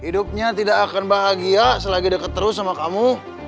hidupnya tidak akan bahagia selagi deket terus sama kamu